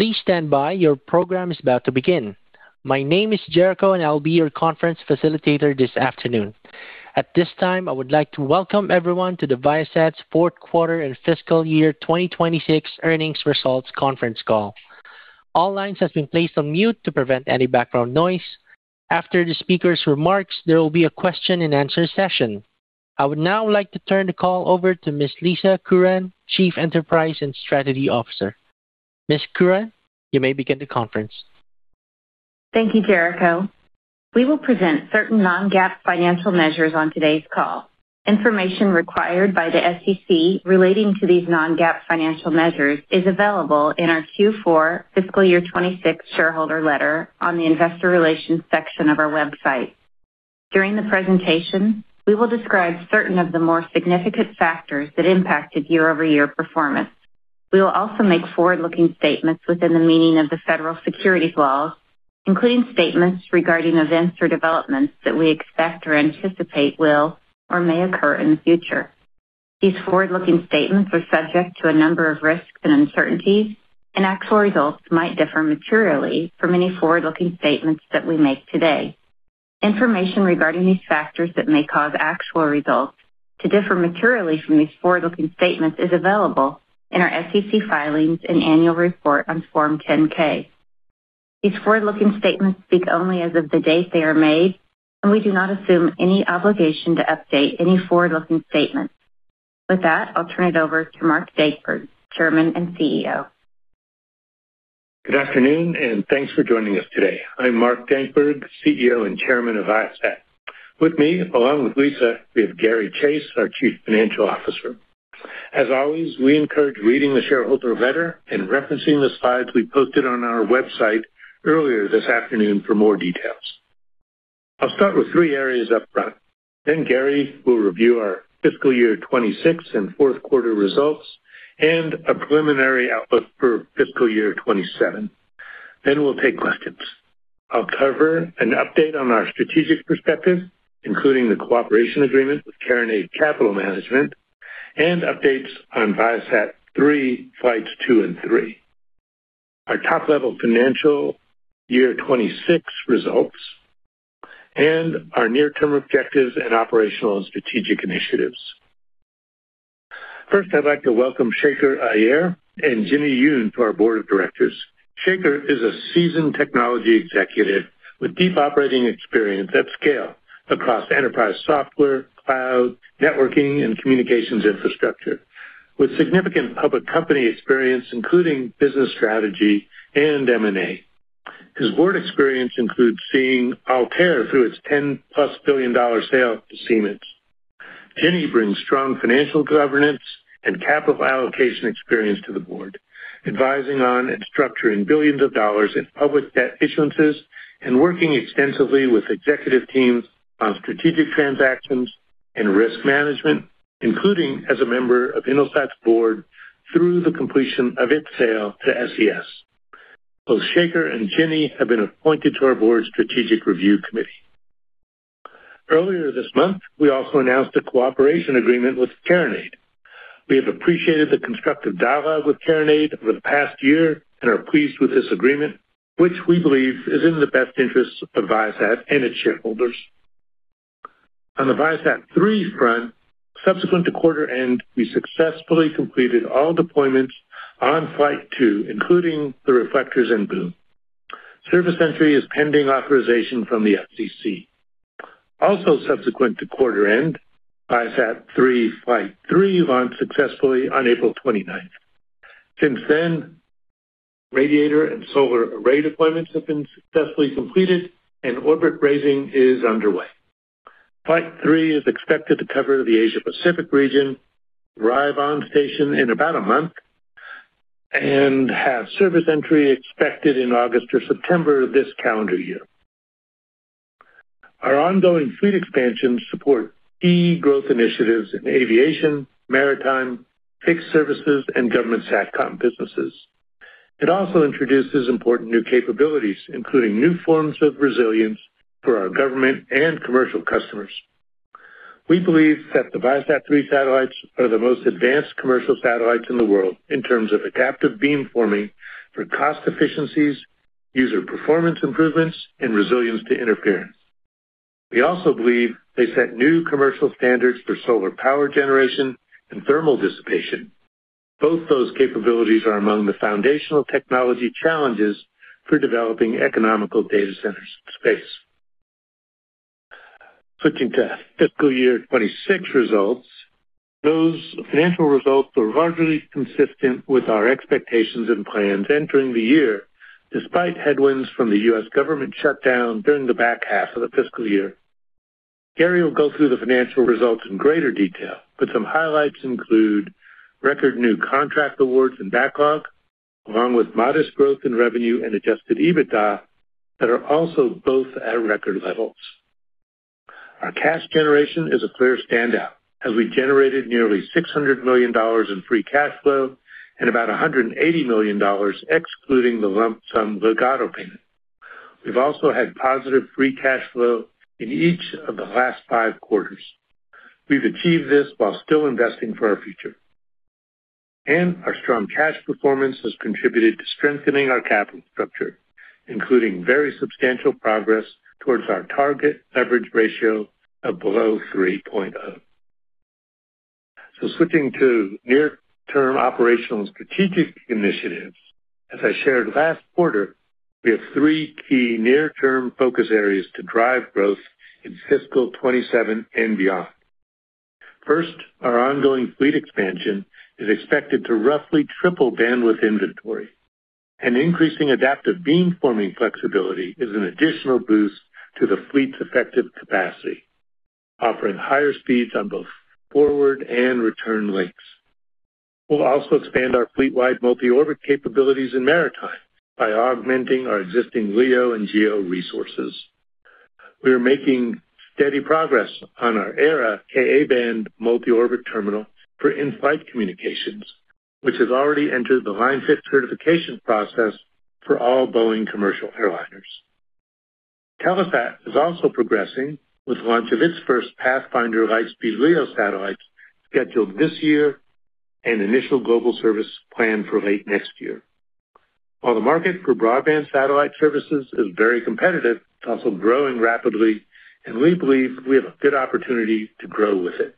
My name is Jericho, and I'll be your conference facilitator this afternoon. At this time, I would like to welcome everyone to Viasat's fourth quarter and fiscal year 2026 earnings results conference call. All lines have been placed on mute to prevent any background noise. After the speaker's remarks, there will be a question and answer session. I would now like to turn the call over to Ms. Lisa Curran, Chief Enterprise and Strategy Officer. Ms. Curran, you may begin the conference. Thank you, Jericho. We will present certain non-GAAP financial measures on today's call. Information required by the SEC relating to these non-GAAP financial measures is available in our Q4 fiscal year 2026 shareholder letter on the investor relations section of our website. During the presentation, we will describe certain of the more significant factors that impacted year-over-year performance. We will also make forward-looking statements within the meaning of the federal securities laws, including statements regarding events or developments that we expect or anticipate will or may occur in the future. Actual results might differ materially from any forward-looking statements that we make today. Information regarding these factors that may cause actual results to differ materially from these forward-looking statements is available in our SEC filings and annual report on Form 10-K. These forward-looking statements speak only as of the date they are made. We do not assume any obligation to update any forward-looking statements. With that, I'll turn it over to Mark Dankberg, Chairman and CEO. Good afternoon, and thanks for joining us today. I'm Mark Dankberg, CEO and Chairman of Viasat. With me, along with Lisa, we have Gary Chase, our Chief Financial Officer. As always, we encourage reading the shareholder letter and referencing the slides we posted on our website earlier this afternoon for more details. I'll start with three areas up front. Gary will review our fiscal year 2026 and fourth quarter results and a preliminary outlook for fiscal year 2027. We'll take questions. I'll cover an update on our strategic perspective, including the cooperation agreement with Carronade Capital Management and updates on ViaSat-3 flights two and three. Our top-level financial year 2026 results and our near-term objectives and operational and strategic initiatives. First, I'd like to welcome Shekar Ayyar and Jinhy Yoon to our Board of Directors. Shekar is a seasoned technology executive with deep operating experience at scale across enterprise software, cloud, networking, and communications infrastructure. With significant public company experience, including business strategy and M&A. His board experience includes seeing Altair through its $10-plus billion sale to Siemens. Jinhy brings strong financial governance and capital allocation experience to the board, advising on and structuring billions of dollars in public debt issuances and working extensively with executive teams on strategic transactions and risk management, including as a member of Intelsat's board through the completion of its sale to SES. Both Shekar and Jinhy have been appointed to our Board Strategic Review Committee. Earlier this month, we also announced a cooperation agreement with Carronade. We have appreciated the constructive dialogue with Carronade over the past year and are pleased with this agreement, which we believe is in the best interest of Viasat and its shareholders. On the Viasat-3 front, subsequent to quarter end, we successfully completed all deployments on Flight 2, including the reflectors and boom. Service entry is pending authorization from the FCC. Also subsequent to quarter end, Viasat-3 Flight 3 launched successfully on April 29th. Since then, radiator and solar array deployments have been successfully completed and orbit raising is underway. Flight 3 is expected to cover the Asia-Pacific region, arrive on station in about a month, and have service entry expected in August or September this calendar year. Our ongoing fleet expansion support key growth initiatives in aviation, maritime, fixed services, and government SATCOM businesses. It also introduces important new capabilities, including new forms of resilience for our government and commercial customers. We believe that the Viasat-3 satellites are the most advanced commercial satellites in the world in terms of adaptive beamforming for cost efficiencies, user performance improvements, and resilience to interference. We also believe they set new commercial standards for solar power generation and thermal dissipation. Both those capabilities are among the foundational technology challenges for developing economical data centers in space. Switching to fiscal year 2026 results, those financial results were largely consistent with our expectations and plans entering the year, despite headwinds from the U.S. government shutdown during the back half of the fiscal year. Gary will go through the financial results in greater detail, but some highlights include record new contract awards and backlog, along with modest growth in revenue and adjusted EBITDA that are also both at record levels. Our cash generation is a clear standout, as we generated nearly $600 million in free cash flow and about $180 million excluding the lump sum Ligado payment. We've also had positive free cash flow in each of the last five quarters. We've achieved this while still investing for our future. Our strong cash performance has contributed to strengthening our capital structure, including very substantial progress towards our target leverage ratio of below 3.0. Switching to near-term operational and strategic initiatives. As I shared last quarter, we have three key near-term focus areas to drive growth in fiscal 2027 and beyond. First, our ongoing fleet expansion is expected to roughly triple bandwidth inventory. An increasing adaptive beam forming flexibility is an additional boost to the fleet's effective capacity, offering higher speeds on both forward and return links. We'll also expand our fleetwide multi-orbit capabilities in maritime by augmenting our existing LEO and GEO resources. We are making steady progress on our Aero Ka-band multi-orbit terminal for in-flight communications, which has already entered the line fit certification process for all Boeing commercial airliners. Telesat is also progressing with launch of its first pathfinder of high-speed LEO satellites scheduled this year and initial global service planned for late next year. While the market for broadband satellite services is very competitive, it's also growing rapidly, and we believe we have a good opportunity to grow with it.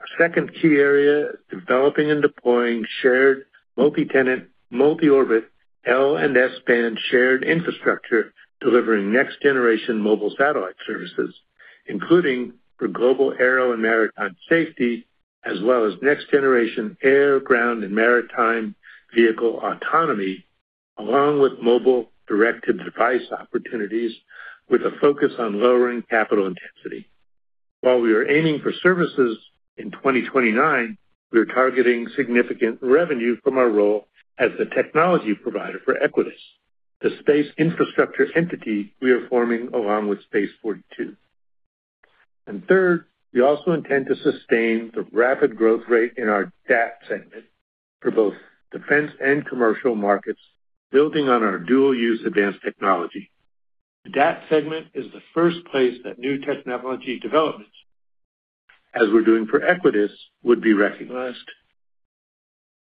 Our second key area, developing and deploying shared multi-tenant, multi-orbit L- and S-band shared infrastructure delivering next-generation mobile satellite services, including for global aero and maritime safety, as well as next-generation air, ground, and maritime vehicle autonomy along with mobile directed device opportunities with a focus on lowering capital intensity. While we are aiming for services in 2029, we are targeting significant revenue from our role as the technology provider for Equitas, the space infrastructure entity we are forming along with Space42. Third, we also intend to sustain the rapid growth rate in our DAT segment for both defense and commercial markets building on our dual-use advanced technology. The DAT segment is the first place that new technology developments, as we're doing for Equitas, would be recognized.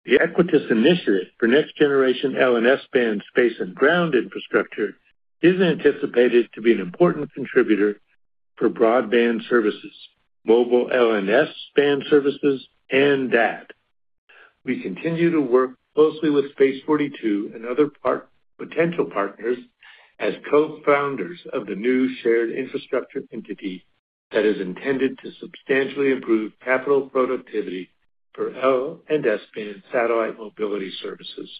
The Equitas initiative for next-generation L- and S-band space and ground infrastructure is anticipated to be an important contributor for broadband services, mobile L- and S-band services, and DAT. We continue to work closely with Space42 and other potential partners as co-founders of the new shared infrastructure entity that is intended to substantially improve capital productivity for L- and S-band satellite mobility services.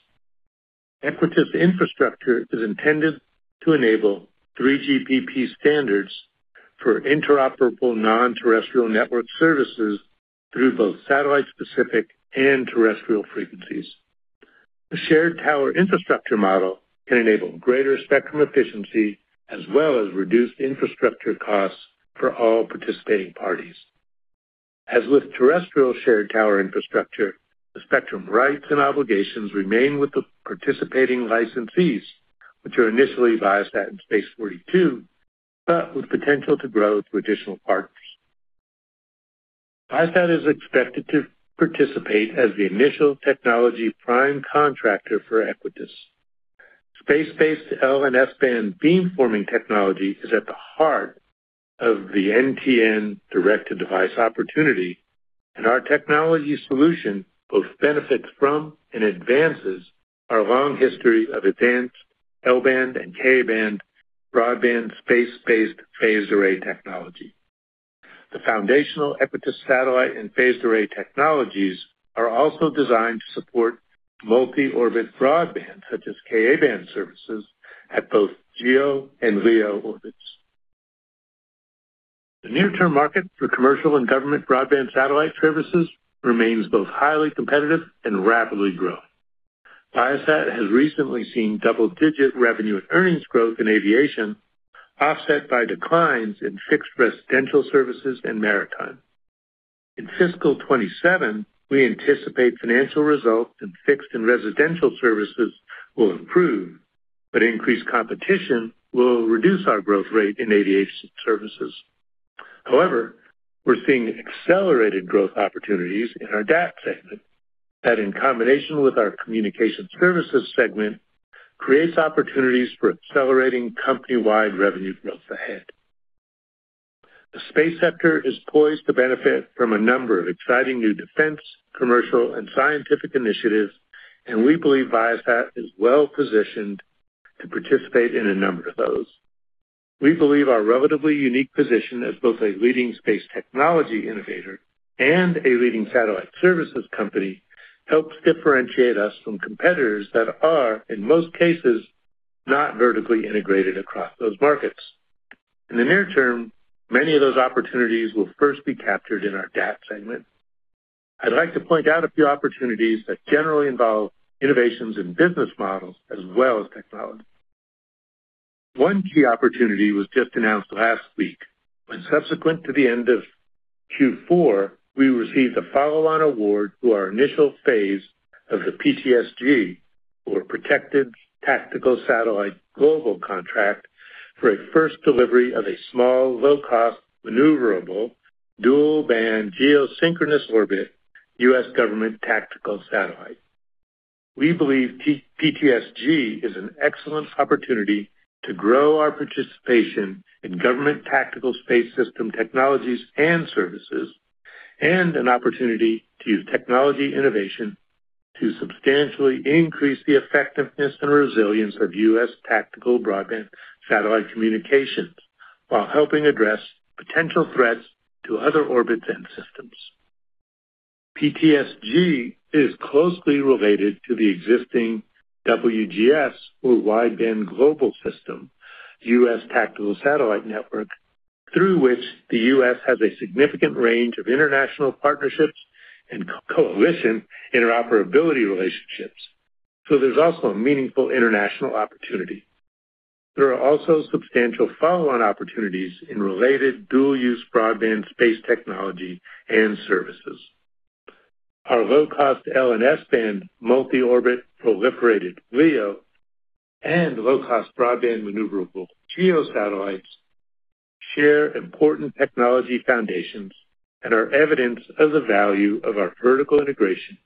Equitas infrastructure is intended to enable 3GPP standards for interoperable non-terrestrial network services through both satellite-specific and terrestrial frequencies. The shared tower infrastructure model can enable greater spectrum efficiency as well as reduced infrastructure costs for all participating parties. As with terrestrial shared tower infrastructure, the spectrum rights and obligations remain with the participating licensees, which are initially Viasat and Space42, but with potential to grow to additional partners. Viasat is expected to participate as the initial technology prime contractor for Equitas. Space-based L- and S-band beam forming technology is at the heart of the NTN direct-to-device opportunity, and our technology solution both benefits from and advances our long history of advanced L-band and Ka-band broadband space-based phased array technology. The foundational Equitas satellite and phased array technologies are also designed to support multi-orbit broadband, such as Ka-band services at both GEO and LEO orbits. The near-term market for commercial and government broadband satellite services remains both highly competitive and rapidly growing. Viasat has recently seen double-digit revenue and earnings growth in aviation offset by declines in fixed residential services and maritime. In fiscal 2027, we anticipate financial results in fixed and residential services will improve, but increased competition will reduce our growth rate in aviation services. We're seeing accelerated growth opportunities in our DAT segment that, in combination with our communication services segment, creates opportunities for accelerating company-wide revenue growth ahead. The space sector is poised to benefit from a number of exciting new defense, commercial, and scientific initiatives. We believe Viasat is well-positioned to participate in a number of those. We believe our relatively unique position as both a leading space technology innovator and a leading satellite services company helps differentiate us from competitors that are, in most cases, not vertically integrated across those markets. In the near term, many of those opportunities will first be captured in our DAT segment. I'd like to point out a few opportunities that generally involve innovations in business models as well as technology. One key opportunity was just announced last week when subsequent to the end of Q4, we received a follow-on award to our initial phase of the PTSG, or Protected Tactical SATCOM-Global contract for a first delivery of a small, low-cost, maneuverable, dual-band geosynchronous orbit, U.S. government tactical satellite. We believe PTSG is an excellent opportunity to grow our participation in government tactical space system technologies and services, and an opportunity to use technology innovation to substantially increase the effectiveness and resilience of U.S. tactical broadband satellite communications while helping address potential threats to other orbits and systems. PTSG is closely related to the existing WGS, or Wideband Global SATCOM, U.S. tactical satellite network, through which the U.S. has a significant range of international partnerships and coalition interoperability relationships. There's also a meaningful international opportunity. There are also substantial follow-on opportunities in related dual-use broadband space technology and services. Our low-cost L- and S-band multi-orbit proliferated LEO and low-cost broadband maneuverable GEO satellites share important technology foundations and are evidence of the value of our vertical integration,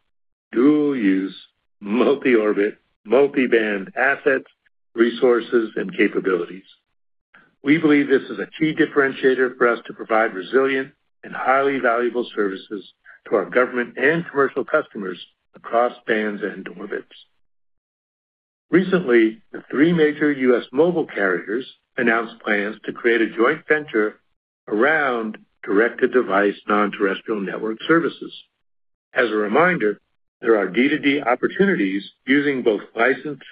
dual-use, multi-orbit, multi-band assets, resources, and capabilities. We believe this is a key differentiator for us to provide resilient and highly valuable services to our government and commercial customers across bands and orbits. Recently, the three major U.S. mobile carriers announced plans to create a joint venture around direct-to-device non-terrestrial network services. As a reminder, there are D2D opportunities using both licensed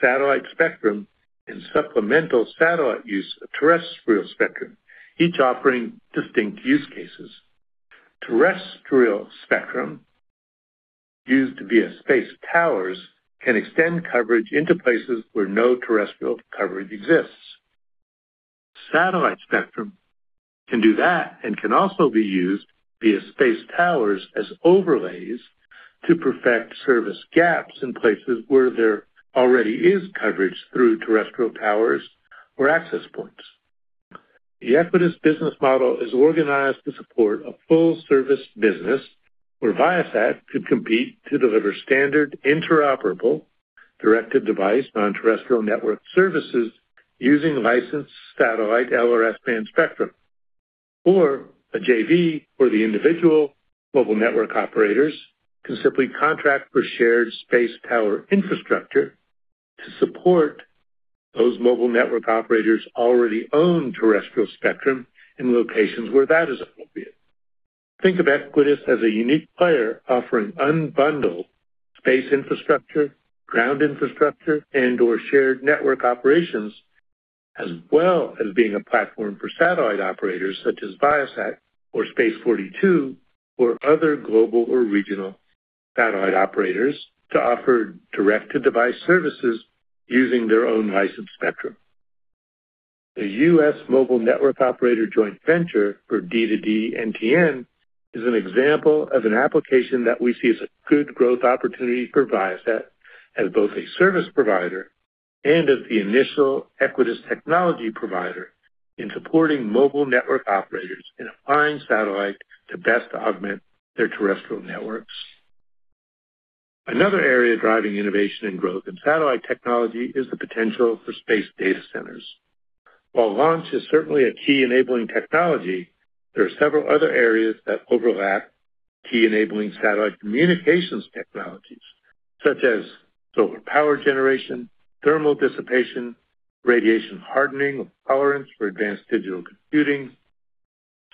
satellite spectrum and supplemental satellite use of terrestrial spectrum, each offering distinct use cases. Terrestrial spectrum used via space towers can extend coverage into places where no terrestrial coverage exists. Satellite spectrum can do that and can also be used via space towers as overlays to perfect service gaps in places where there already is coverage through terrestrial towers or access points. The Equitas business model is organized to support a full-service business where Viasat could compete to deliver standard interoperable direct-to-device non-terrestrial network services using licensed satellite L- and S-band spectrum. A JV where the individual mobile network operators can simply contract for shared space tower infrastructure to support those mobile network operators' already owned terrestrial spectrum in locations where that is appropriate. Think of Equitas as a unique player offering unbundled space infrastructure, ground infrastructure, and/or shared network operations, as well as being a platform for satellite operators such as Viasat or Space42 or other global or regional satellite operators to offer direct-to-device services using their own licensed spectrum. The U.S. mobile network operator joint venture for D2D NTN is an example of an application that we see as a good growth opportunity for Viasat as both a service provider and as the initial Equitas technology provider in supporting mobile network operators in applying satellite to best augment their terrestrial networks. Another area driving innovation and growth in satellite technology is the potential for space data centers. While launch is certainly a key enabling technology, there are several other areas that overlap key enabling satellite communications technologies such as solar power generation, thermal dissipation, radiation hardening or tolerance for advanced digital computing,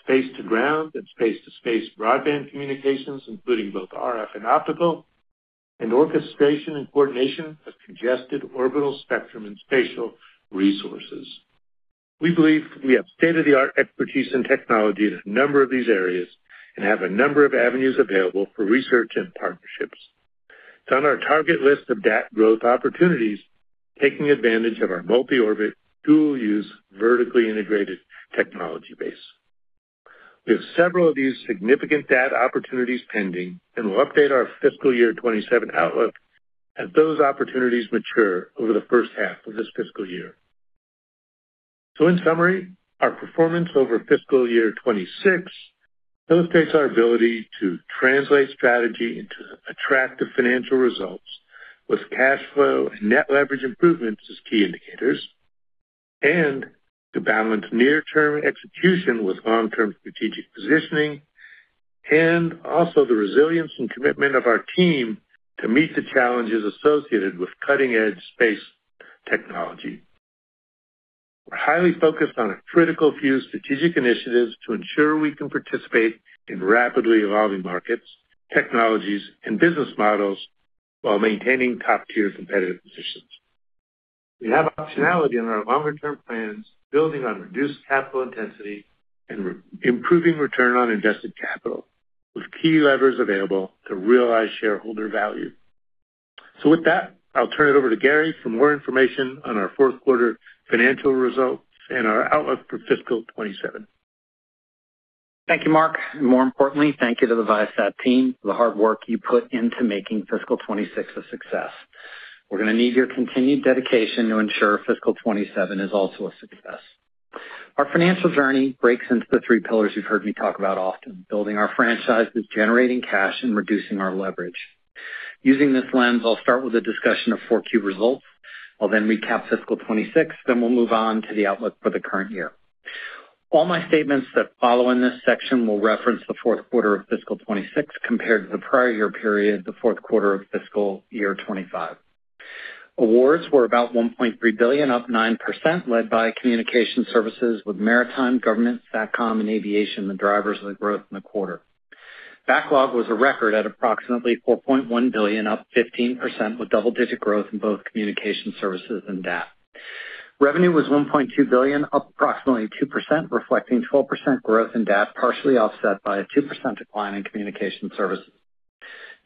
space-to-ground and space-to-space broadband communications, including both RF and optical, and orchestration and coordination of congested orbital spectrum and spatial resources. We believe we have state-of-the-art expertise and technology in a number of these areas and have a number of avenues available for research and partnerships. It's on our target list of DAT growth opportunities, taking advantage of our multi-orbit dual use, vertically integrated technology base. We have several of these significant DAT opportunities pending, and we'll update our fiscal year 2027 outlook as those opportunities mature over the first half of this fiscal year. In summary, our performance over fiscal year 2026 illustrates our ability to translate strategy into attractive financial results with cash flow and net leverage improvements as key indicators, and to balance near-term execution with long-term strategic positioning, and also the resilience and commitment of our team to meet the challenges associated with cutting-edge space technology. We're highly focused on a critical few strategic initiatives to ensure we can participate in rapidly evolving markets, technologies, and business models while maintaining top-tier competitive positions. We have optionality in our longer-term plans, building on reduced capital intensity and improving return on invested capital. Key levers available to realize shareholder value. With that, I'll turn it over to Gary for more information on our fourth quarter financial results and our outlook for fiscal 2027. Thank you, Mark. More importantly, thank you to the Viasat team for the hard work you put into making fiscal 2026 a success. We're going to need your continued dedication to ensure fiscal 2027 is also a success. Our financial journey breaks into the three pillars you've heard me talk about often, building our franchises, generating cash, and reducing our leverage. Using this lens, I'll start with a discussion of Q4 results. I'll recap fiscal 2026, then we'll move on to the outlook for the current year. All my statements that follow in this section will reference the fourth quarter of fiscal 2026 compared to the prior year period, the fourth quarter of fiscal year 2025. Awards were about $1.3 billion, up 9%, led by communication services with maritime, government, SATCOM, and aviation, the drivers of the growth in the quarter. Backlog was a record at approximately $4.1 billion, up 15%, with double-digit growth in both communication services and DAT. Revenue was $1.2 billion, up approximately 2%, reflecting 12% growth in DAT, partially offset by a 2% decline in communication services.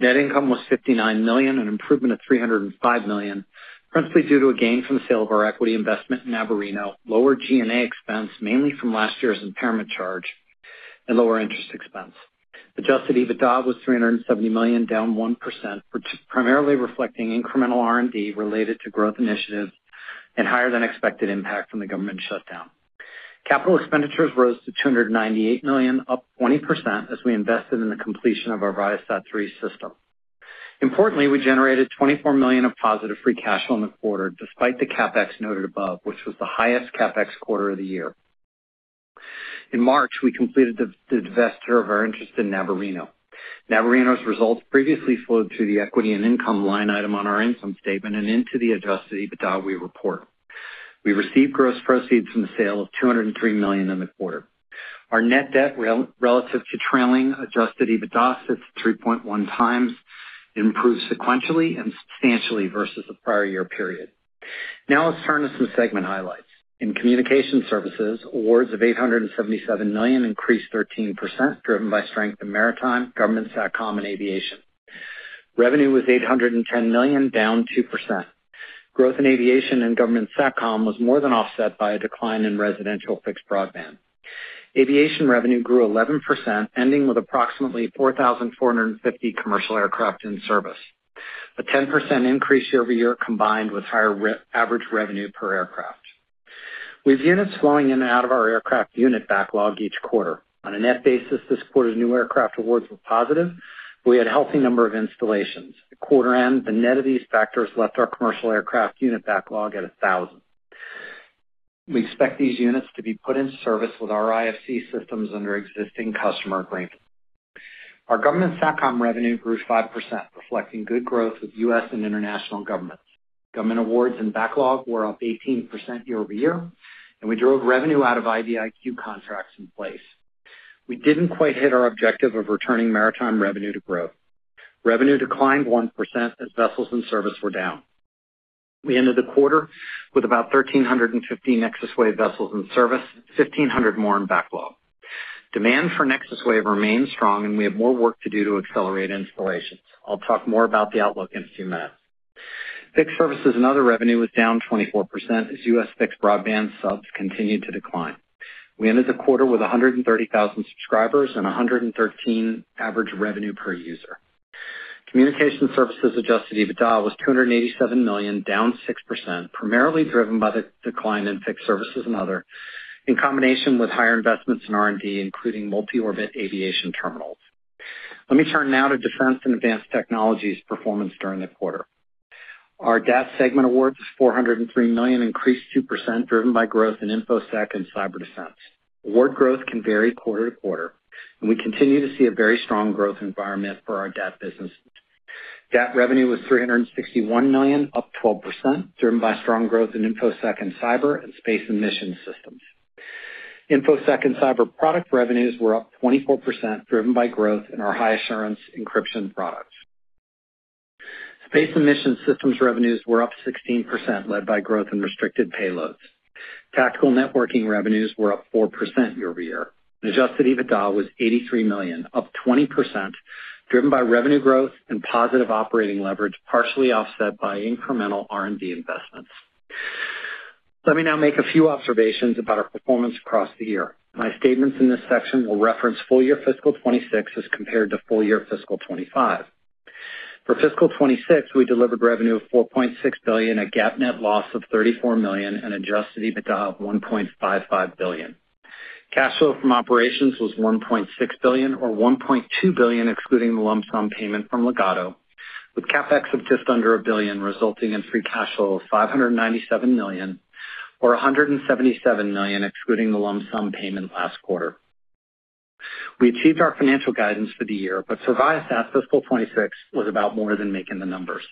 Net income was $59 million, an improvement of $305 million, principally due to a gain from the sale of our equity investment in Navarino, lower G&A expense, mainly from last year's impairment charge, and lower interest expense. Adjusted EBITDA was $370 million, down 1%, which is primarily reflecting incremental R&D related to growth initiatives and higher than expected impact from the government shutdown. Capital expenditures rose to $298 million, up 20%, as we invested in the completion of our ViaSat-3 system. Importantly, we generated $24 million of positive free cash flow in the quarter despite the CapEx noted above, which was the highest CapEx quarter of the year. In March, we completed the divesture of our interest in Navarino. Navarino's results previously flowed to the equity and income line item on our income statement and into the adjusted EBITDA we report. We received gross proceeds from the sale of $203 million in the quarter. Our net debt relative to trailing adjusted EBITDA sits 3.1x, improved sequentially and substantially versus the prior year-over-year period. Let's turn to some segment highlights. In communication services, awards of $877 million increased 13%, driven by strength in maritime, government, SATCOM, and aviation. Revenue was $810 million, down 2%. Growth in aviation and government SATCOM was more than offset by a decline in residential fixed broadband. Aviation revenue grew 11%, ending with approximately 4,450 commercial aircraft in service, a 10% increase year-over-year, combined with higher average revenue per aircraft. With units flowing in and out of our aircraft unit backlog each quarter. On a net basis, this quarter's new aircraft awards were positive. We had a healthy number of installations. At quarter end, the net of these factors left our commercial aircraft unit backlog at 1,000. We expect these units to be put in service with our IFC systems under existing customer agreements. Our government SATCOM revenue grew 5%, reflecting good growth with U.S. and international governments. Government awards and backlog were up 18% year-over-year, and we drove revenue out of IDIQ contracts in place. We didn't quite hit our objective of returning maritime revenue to growth. Revenue declined 1% as vessels in service were down. We ended the quarter with about 1,350 NexusWave vessels in service, 1,500 more in backlog. Demand for NexusWave remains strong, and we have more work to do to accelerate installations. I'll talk more about the outlook in a few minutes. Fixed services and other revenue was down 24% as U.S. fixed broadband subs continued to decline. We ended the quarter with 130,000 subscribers and 113 average revenue per user. Communication services Adjusted EBITDA was $287 million, down 6%, primarily driven by the decline in fixed services and other, in combination with higher investments in R&D, including multi-orbit aviation terminals. Let me turn now to defense and advanced technologies performance during the quarter. Our DAT segment awards was $403 million, increased 2%, driven by growth in InfoSec and cyber defense. Award growth can vary quarter to quarter, and we continue to see a very strong growth environment for our DAT business. DAT revenue was $361 million, up 12%, driven by strong growth in InfoSec and cyber and space and mission systems. InfoSec and cyber product revenues were up 24%, driven by growth in our high assurance encryption products. Space and mission systems revenues were up 16%, led by growth in restricted payloads. Tactical networking revenues were up 4% year-over-year. Adjusted EBITDA was $83 million, up 20%, driven by revenue growth and positive operating leverage, partially offset by incremental R&D investments. Let me now make a few observations about our performance across the year. My statements in this section will reference full year fiscal 2026 as compared to full year fiscal 2025. For fiscal 2026, we delivered revenue of $4.6 billion, a GAAP net loss of $34 million, and Adjusted EBITDA of $1.55 billion. Cash flow from operations was $1.6 billion or $1.2 billion excluding the lump sum payment from Ligado, with CapEx of just under a billion, resulting in free cash flow of $597 million or $177 million excluding the lump sum payment last quarter. We achieved our financial guidance for the year. For Viasat, fiscal 2026 was about more than making the numbers.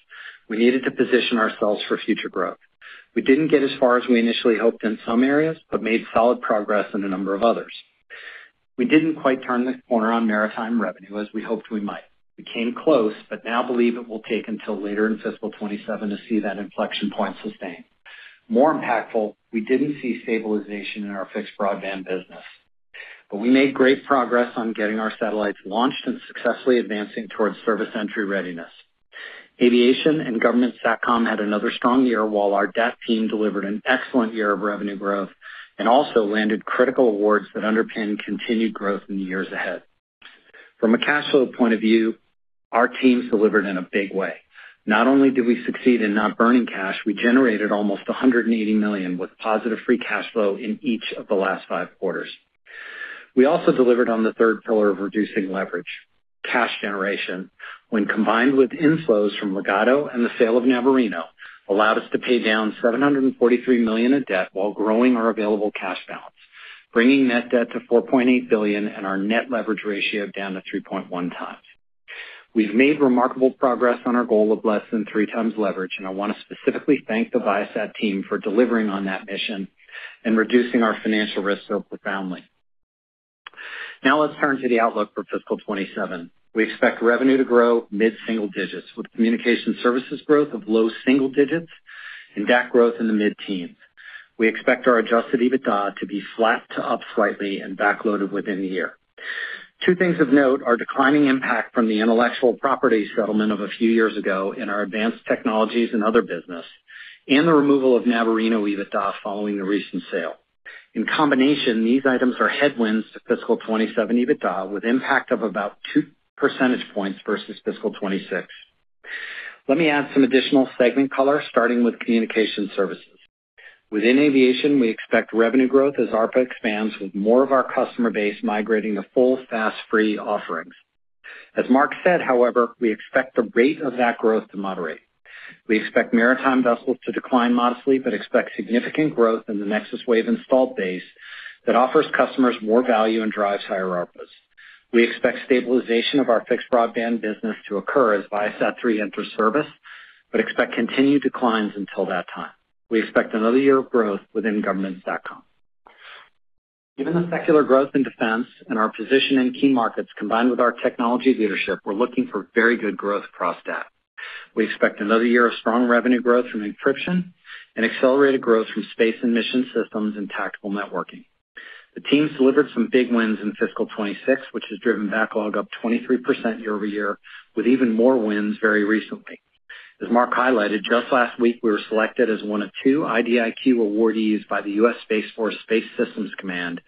We needed to position ourselves for future growth. We didn't get as far as we initially hoped in some areas, but made solid progress in a number of others. We didn't quite turn the corner on maritime revenue as we hoped we might. We came close, but now believe it will take until later in fiscal 2027 to see that inflection point sustained. More impactful, we didn't see stabilization in our fixed broadband business. We made great progress on getting our satellites launched and successfully advancing towards service entry readiness. Aviation and Government SATCOM had another strong year, while our DAT team delivered an excellent year of revenue growth, and also landed critical awards that underpin continued growth in the years ahead. From a cash flow point of view, our teams delivered in a big way. Not only did we succeed in not burning cash, we generated almost $180 million with positive free cash flow in each of the last five quarters. We also delivered on the third pillar of reducing leverage. Cash generation, when combined with inflows from Ligado and the sale of Navarino, allowed us to pay down $743 million of debt while growing our available cash balance, bringing net debt to $4.8 billion and our net leverage ratio down to 3.1x. We've made remarkable progress on our goal of less than 3x leverage, and I want to specifically thank the Viasat team for delivering on that mission and reducing our financial risk so profoundly. Now let's turn to the outlook for fiscal 2027. We expect revenue to grow mid-single digits, with communication services growth of low single digits and DAT growth in the mid-teens. We expect our Adjusted EBITDA to be flat to up slightly and back-loaded within the year. Two things of note are declining impact from the intellectual property settlement of a few years ago in our advanced technologies and other business, and the removal of Navarino EBITDA following the recent sale. In combination, these items are headwinds to fiscal 2027 EBITDA, with impact of about 2 percentage points versus fiscal 2026. Let me add some additional segment color, starting with communication services. Within aviation, we expect revenue growth as ARPA expands, with more of our customer base migrating to full fast, free offerings. As Mark said, however, we expect the rate of that growth to moderate. We expect maritime vessels to decline modestly, but expect significant growth in the NexusWave installed base that offers customers more value and drives higher ARPAs. We expect stabilization of our fixed broadband business to occur as ViaSat-3 enters service, but expect continued declines until that time. We expect another year of growth within governments SATCOM. Given the secular growth in defense and our position in key markets, combined with our technology leadership, we're looking for very good growth across DAT. We expect another year of strong revenue growth from encryption and accelerated growth from space and mission systems and tactical networking. The team's delivered some big wins in fiscal 2026, which has driven backlog up 23% year-over-year, with even more wins very recently. As Mark highlighted, just last week, we were selected as one of two IDIQ awardees by the U.S. Space Force Space Systems Command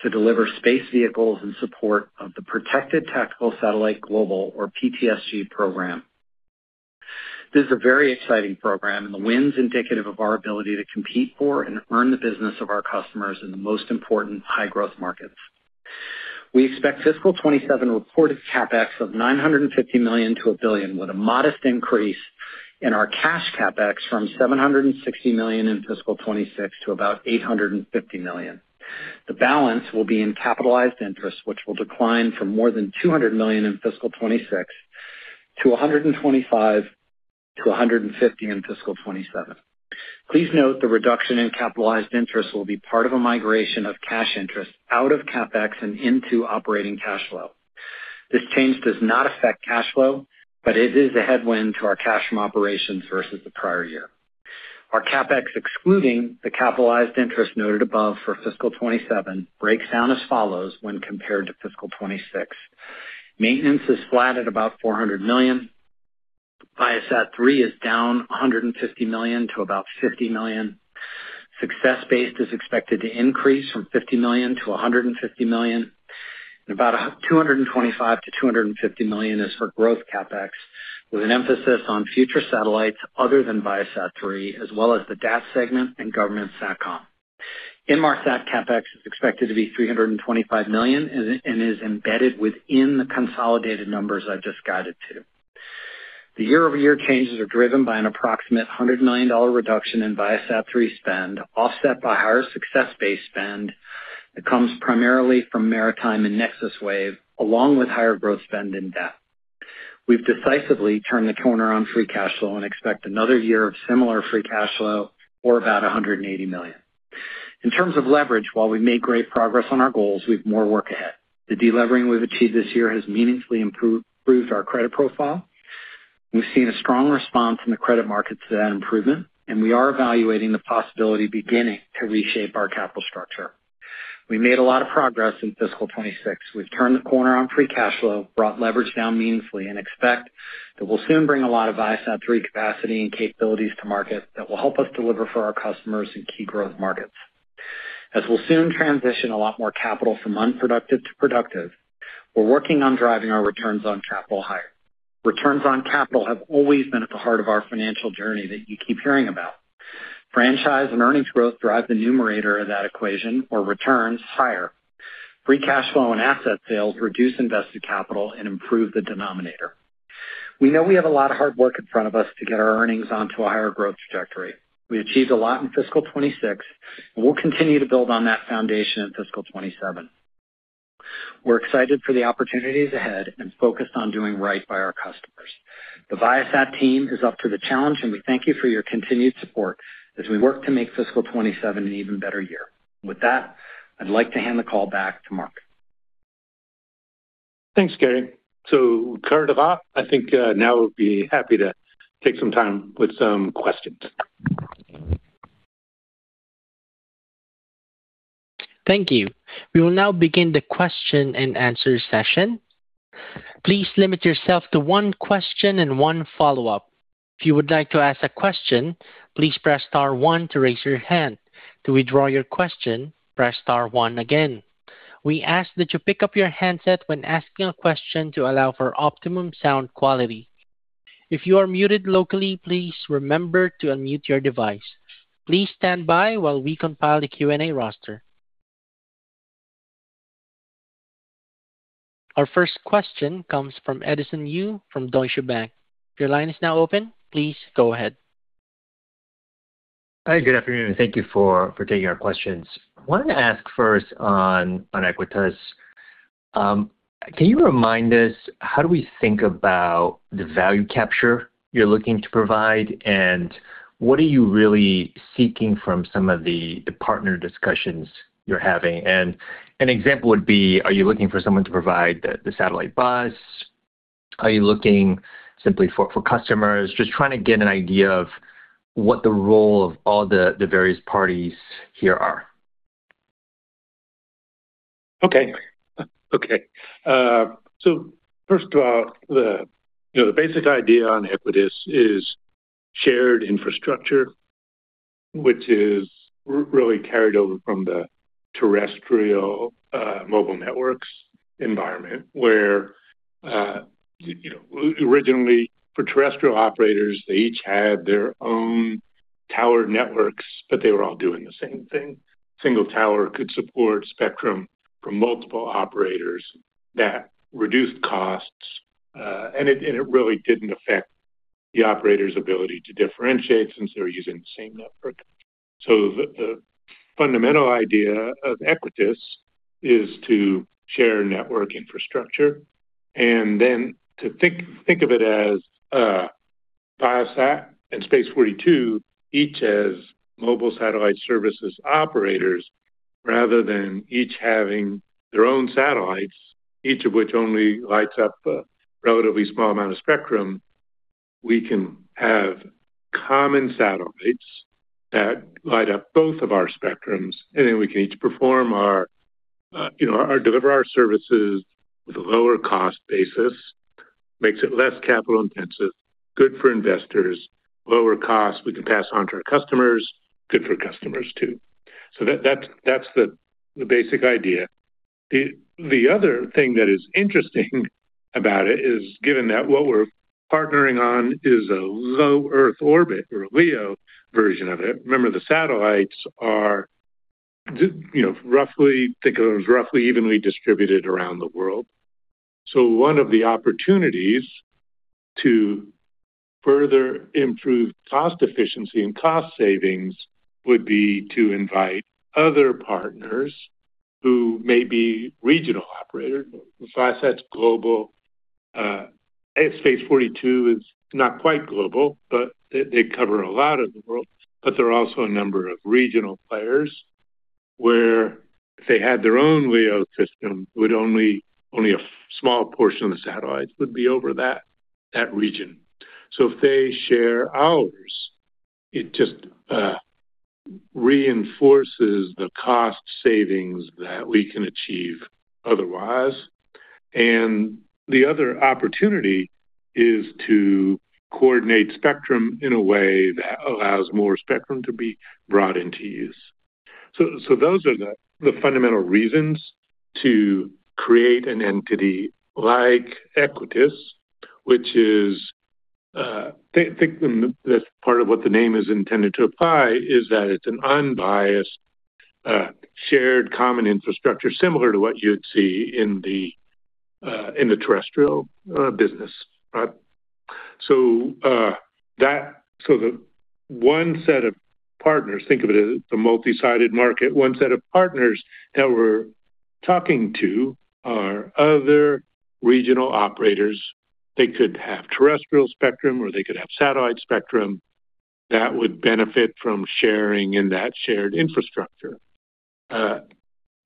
to deliver space vehicles in support of the Protected Tactical SATCOM-Global, or PTSG program. This is a very exciting program, the win's indicative of our ability to compete for and earn the business of our customers in the most important high-growth markets. We expect fiscal 2027 reported CapEx of $950 million-$1 billion, with a modest increase in our cash CapEx from $760 million in fiscal 2026 to about $850 million. The balance will be in capitalized interest, which will decline from more than $200 million in fiscal 2026 to $125 million-$150 million in fiscal 2027. Please note the reduction in capitalized interest will be part of a migration of cash interest out of CapEx and into operating cash flow. This change does not affect cash flow. It is a headwind to our cash from operations versus the prior year. Our CapEx, excluding the capitalized interest noted above for fiscal 2027, breaks down as follows when compared to fiscal 2026. Maintenance is flat at about $400 million. Viasat-3 is down $150 million to about $50 million. Success-based is expected to increase from $50 million to $150 million. About $225 million-$250 million is for growth CapEx, with an emphasis on future satellites other than Viasat-3, as well as the DAT segment and government SATCOM. Inmarsat CapEx is expected to be $325 million. It is embedded within the consolidated numbers I've just guided to. The year-over-year changes are driven by an approximate $100 million reduction in ViaSat-3 spend, offset by higher success-based spend that comes primarily from maritime and NexusWave, along with higher growth spend in DAT. We've decisively turned the corner on free cash flow and expect another year of similar free cash flow, or about $180 million. In terms of leverage, while we've made great progress on our goals, we've more work ahead. The de-levering we've achieved this year has meaningfully improved our credit profile. We've seen a strong response in the credit markets to that improvement. We are evaluating the possibility beginning to reshape our capital structure. We made a lot of progress in fiscal 2026. We've turned the corner on free cash flow, brought leverage down meaningfully, and expect that we'll soon bring a lot of ViaSat-3 capacity and capabilities to market that will help us deliver for our customers in key growth markets. As we'll soon transition a lot more capital from unproductive to productive, we're working on driving our returns on capital higher. Returns on capital have always been at the heart of our financial journey that you keep hearing about. Franchise and earnings growth drive the numerator of that equation or returns higher. Free cash flow and asset sales reduce invested capital and improve the denominator. We know we have a lot of hard work in front of us to get our earnings onto a higher growth trajectory. We achieved a lot in fiscal 2026, and we'll continue to build on that foundation in fiscal 2027. We're excited for the opportunities ahead and focused on doing right by our customers. The Viasat team is up for the challenge, and we thank you for your continued support as we work to make fiscal 2027 an even better year. With that, I'd like to hand the call back to Mark. Thanks, Gary. To clear it up, I think now would be happy to take some time with some questions. Thank you. We will now begin the question and answer session. Please limit yourself to one question and one follow-up. If you would like to ask a question, please press star one to raise your hand. To withdraw your question, press star one again. We ask that you pick up your handset when asking a question to allow for optimum sound quality. If you are muted locally, please remember to unmute your device. Please stand by while we compile the Q&A roster. Our first question comes from Edison Yu from Deutsche Bank. Your line is now open. Please go ahead. Hi, good afternoon. Thank you for taking our questions. I wanted to ask first on Equitas. Can you remind us how do we think about the value capture you're looking to provide, and what are you really seeking from some of the partner discussions you're having? An example would be, are you looking for someone to provide the satellite bus? Are you looking simply for customers? Just trying to get an idea of what the role of all the various parties here are. Okay. First of all, the basic idea on Equitas is shared infrastructure, which is really carried over from the terrestrial mobile networks environment, where originally for terrestrial operators, they each had their own tower networks, but they were all doing the same thing. Single tower could support spectrum from multiple operators. That reduced costs, and it really didn't affect the operator's ability to differentiate since they were using the same network. The fundamental idea of Equitas is to share network infrastructure and then to think of it as Viasat and Space42 each as Mobile Satellite Services operators rather than each having their own satellites, each of which only lights up a relatively small amount of spectrum. We can have common satellites that light up both of our spectrums, we can each deliver our services with a lower cost basis, makes it less capital-intensive, good for investors, lower costs we can pass on to our customers, good for customers too. That's the basic idea. The other thing that is interesting about it is, given that what we're partnering on is a low Earth orbit, or a LEO version of it, remember, the satellites think of them as roughly evenly distributed around the world. One of the opportunities to further improve cost efficiency and cost savings would be to invite other partners who may be regional operators. Viasat's global. Space42 is not quite global, but they cover a lot of the world. There are also a number of regional players where if they had their own LEO system, only a small portion of the satellites would be over that region. If they share ours, it just reinforces the cost savings that we can achieve otherwise. The other opportunity is to coordinate spectrum in a way that allows more spectrum to be brought into use. Those are the fundamental reasons to create an entity like Equitas, which is, think that's part of what the name is intended to imply, is that it's an unbiased, shared common infrastructure, similar to what you would see in the terrestrial business. The one set of partners, think of it as a multi-sided market, one set of partners that we're talking to are other regional operators. They could have terrestrial spectrum, or they could have satellite spectrum that would benefit from sharing in that shared infrastructure,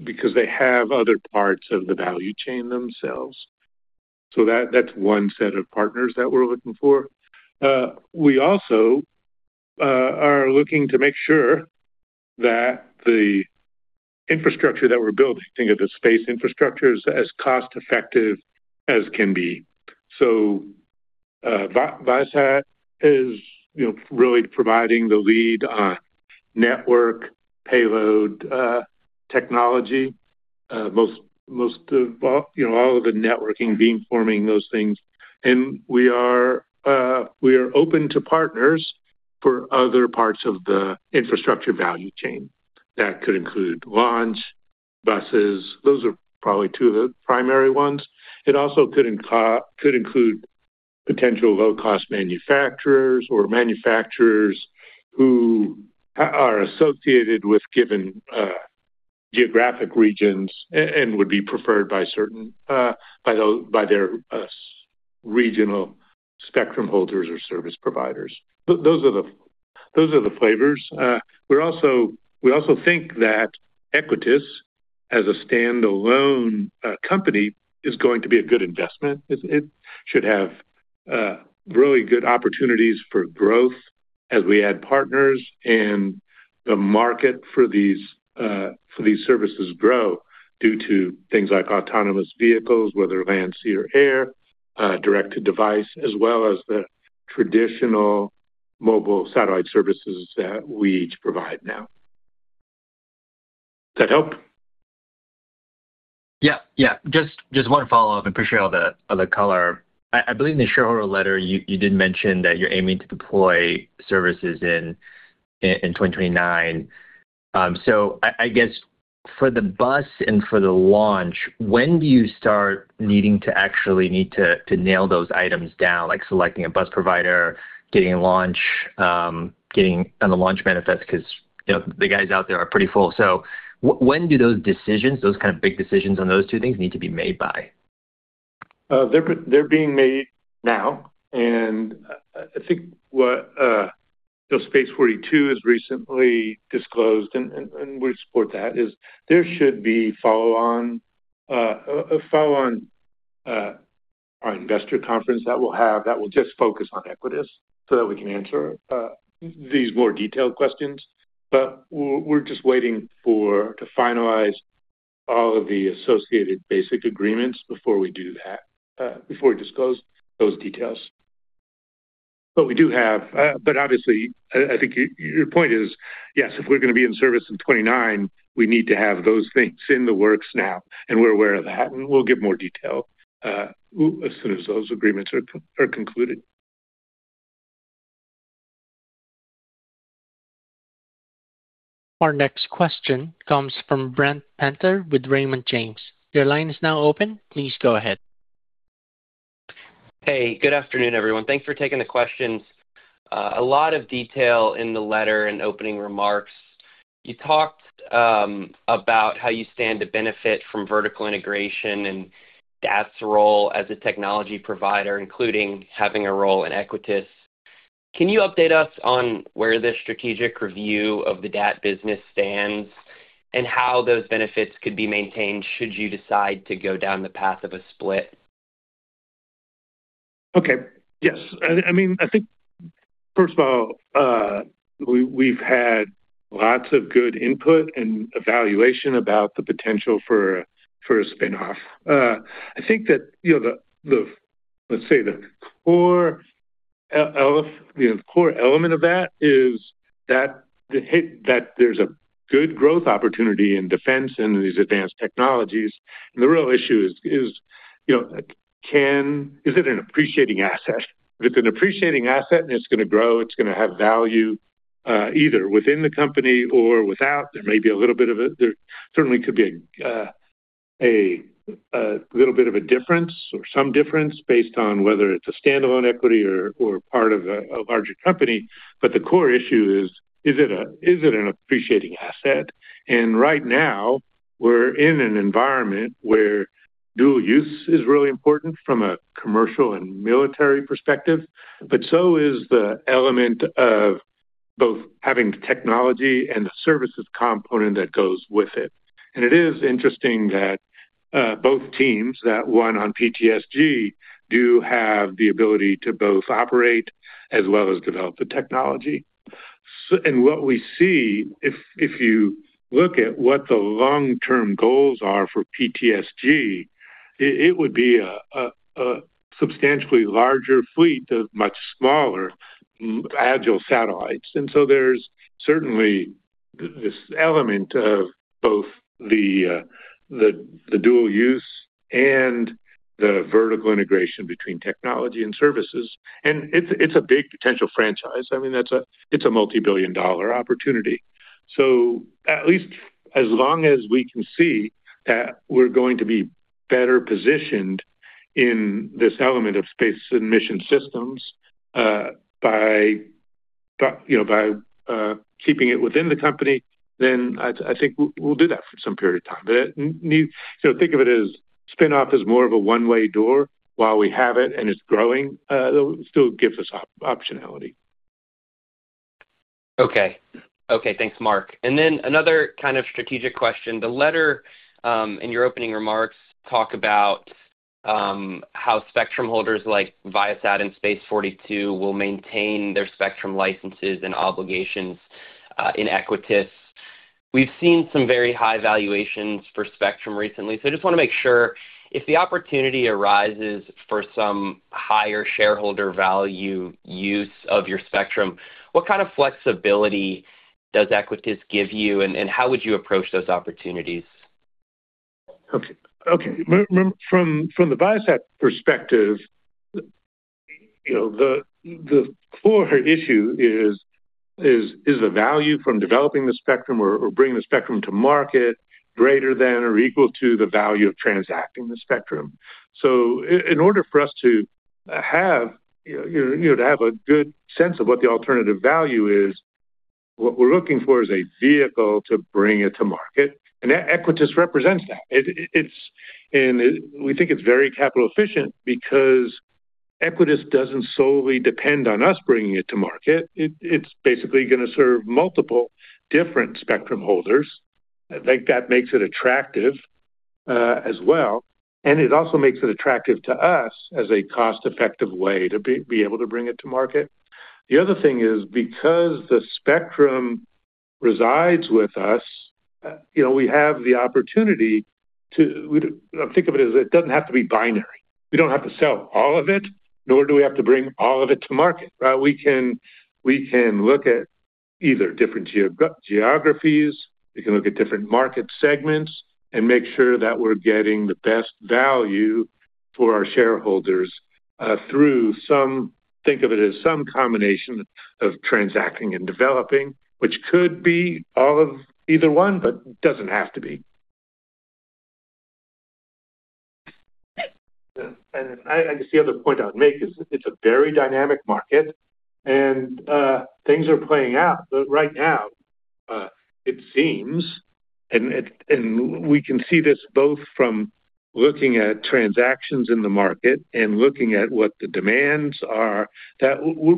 because they have other parts of the value chain themselves. That's one set of partners that we're looking for. We also are looking to make sure that the infrastructure that we're building, think of the space infrastructure, is as cost-effective as can be. Viasat is really providing the lead on network payload technology, all of the networking, beamforming, those things. We are open to partners for other parts of the infrastructure value chain. That could include launch, buses. Those are probably two of the primary ones. It also could include potential low-cost manufacturers or manufacturers who are associated with given geographic regions and would be preferred by their regional spectrum holders or service providers. Those are the flavors. We also think that Equitas, as a standalone company, is going to be a good investment. It should have really good opportunities for growth as we add partners and the market for these services grow due to things like autonomous vehicles, whether land, sea, or air, direct-to-device, as well as the traditional mobile satellite services that we each provide now. Does that help? Yeah. Just one follow-up. I appreciate all the color. I believe in the shareholder letter, you did mention that you're aiming to deploy services in 2029. I guess for the bus and for the launch, when do you start needing to actually need to nail those items down, like selecting a bus provider, getting a launch, getting on the launch manifest, because the guys out there are pretty full. When do those decisions, those kind of big decisions on those two things, need to be made by? They're being made now. I think what Space42 has recently disclosed, and we support that, is there should be a follow on our investor conference that we'll have that will just focus on Equitas so that we can answer these more detailed questions. We're just waiting to finalize all of the associated basic agreements before we do that, before we disclose those details. Obviously, I think your point is, yes, if we're going to be in service in 2029, we need to have those things in the works now, and we're aware of that, and we'll give more detail as soon as those agreements are concluded. Our next question comes from Brent Penter with Raymond James. Your line is now open. Please go ahead. Hey, good afternoon, everyone. Thanks for taking the questions. A lot of detail in the letter and opening remarks. You talked about how you stand to benefit from vertical integration and DAT's role as a technology provider, including having a role in Equitas. Can you update us on where the strategic review of the DAT business stands and how those benefits could be maintained should you decide to go down the path of a split? Okay. Yes. I think, first of all, we've had lots of good input and evaluation about the potential for a spin-off. I think that, let's say the core element of that is that there's a good growth opportunity in defense and these advanced technologies. The real issue is it an appreciating asset? If it's an appreciating asset and it's going to grow, it's going to have value, either within the company or without. There certainly could be a little bit of a difference or some difference based on whether it's a standalone equity or part of a larger company. The core issue is it an appreciating asset? Right now, we're in an environment where dual use is really important from a commercial and military perspective. So is the element of both having the technology and the services component that goes with it. It is interesting that both teams, that one on PTSG, do have the ability to both operate as well as develop the technology. What we see, if you look at what the long-term goals are for PTSG, it would be a substantially larger fleet of much smaller, agile satellites. There's certainly this element of both the dual use and the vertical integration between technology and services. It's a big potential franchise. It's a multi-billion dollar opportunity. At least as long as we can see that we're going to be better positioned in this element of space and mission systems by keeping it within the company, then I think we'll do that for some period of time. Think of it as spin-off is more of a one-way door. While we have it and it's growing, it'll still give us optionality. Okay. Thanks, Mark. Another kind of strategic question. The letter in your opening remarks talk about how spectrum holders like Viasat and Space42 will maintain their spectrum licenses and obligations in Equitas. We've seen some very high valuations for spectrum recently, I just want to make sure, if the opportunity arises for some higher shareholder value use of your spectrum, what kind of flexibility does Equitas give you, and how would you approach those opportunities? Okay. From the Viasat perspective, the core issue is the value from developing the spectrum or bringing the spectrum to market greater than or equal to the value of transacting the spectrum? In order for us to have a good sense of what the alternative value is. What we're looking for is a vehicle to bring it to market, and Equitas represents that. We think it's very capital efficient because Equitas doesn't solely depend on us bringing it to market. It's basically going to serve multiple different spectrum holders. I think that makes it attractive as well, and it also makes it attractive to us as a cost-effective way to be able to bring it to market. The other thing is, because the spectrum resides with us, we have the opportunity to think of it as it doesn't have to be binary. We don't have to sell all of it, nor do we have to bring all of it to market. We can look at either different geographies, we can look at different market segments, and make sure that we're getting the best value for our shareholders through some, think of it as some combination of transacting and developing, which could be all of either one, but doesn't have to be. The other point I would make is it's a very dynamic market, and things are playing out. Right now, it seems, and we can see this both from looking at transactions in the market and looking at what the demands are, that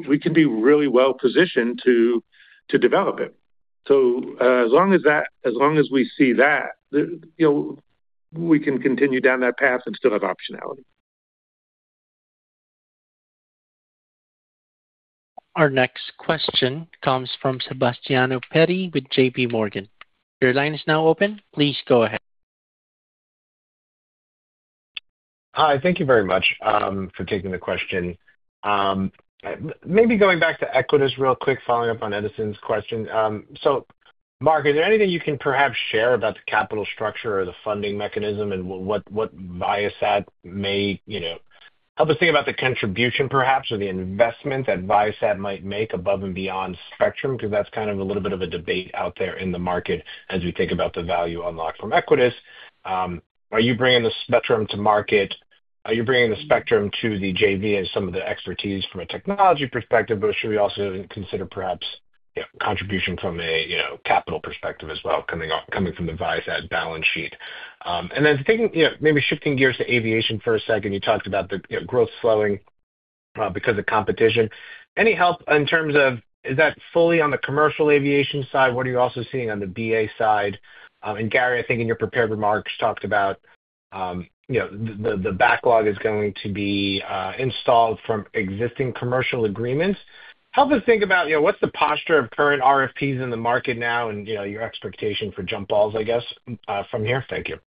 we can be really well-positioned to develop it. As long as we see that, we can continue down that path and still have optionality. Our next question comes from Sebastiano Petti with JPMorgan. Your line is now open. Please go ahead. Hi, thank you very much for taking the question. Going back to Equitas real quick, following up on Edison's question. Mark, is there anything you can perhaps share about the capital structure or the funding mechanism and what Viasat may help us think about the contribution perhaps, or the investment that Viasat might make above and beyond spectrum? That's a little bit of a debate out there in the market as we think about the value unlock from Equitas. Are you bringing the spectrum to market? Are you bringing the spectrum to the JV and some of the expertise from a technology perspective, should we also consider perhaps contribution from a capital perspective as well, coming from the Viasat balance sheet? Shifting gears to aviation for a second, you talked about the growth slowing because of competition. Any help in terms of, is that fully on the commercial aviation side? What are you also seeing on the BA side? Gary, I think in your prepared remarks, you talked about the backlog is going to be installed from existing commercial agreements. Help us think about what's the posture of current RFPs in the market now and your expectation for jump balls, I guess, from here. Thank you.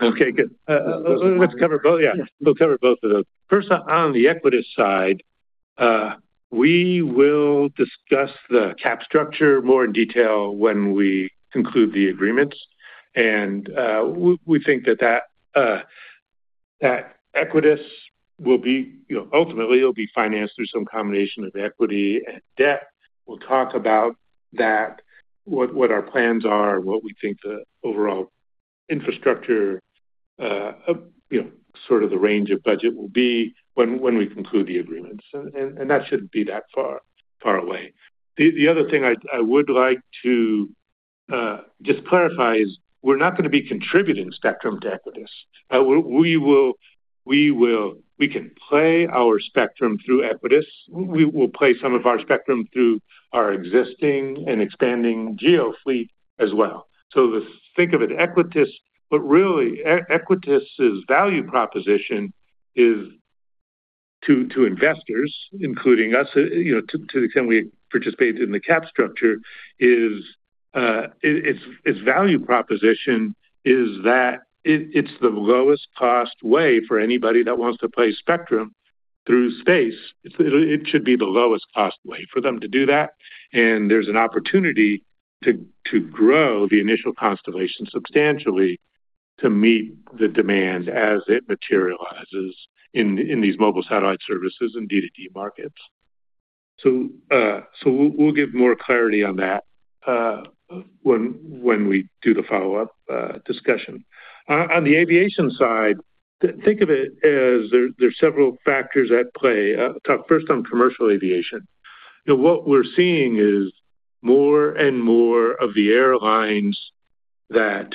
Okay, good. Let's cover both. Yeah, we'll cover both of those. First, on the Equitas side, we will discuss the cap structure more in detail when we conclude the agreements. We think that Equitas will be ultimately it'll be financed through some combination of equity and debt. We'll talk about that, what our plans are and what we think the overall infrastructure, sort of the range of budget will be when we conclude the agreements. That shouldn't be that far away. The other thing I would like to just clarify is we're not going to be contributing spectrum to Equitas. We can play our spectrum through Equitas. We will play some of our spectrum through our existing and expanding GEO fleet as well. Think of it, Equitas's value proposition is to investors, including us, to the extent we participate in the cap structure is its value proposition is that it's the lowest cost way for anybody that wants to play spectrum through space. It should be the lowest cost way for them to do that, and there's an opportunity to grow the initial constellation substantially to meet the demand as it materializes in these Mobile Satellite Services and D2D markets. We'll give more clarity on that when we do the follow-up discussion. On the aviation side, think of it as there are several factors at play. I'll talk first on commercial aviation. What we're seeing is more and more of the airlines that